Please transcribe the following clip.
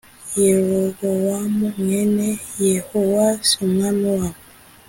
Yerobowamu mwene yehowasi umwami wabo